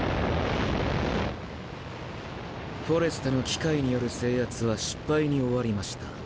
フォレスタの機械による制圧は失敗に終わりました。